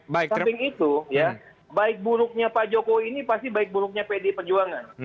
samping itu ya baik buruknya pak jokowi ini pasti baik buruknya pd perjuangan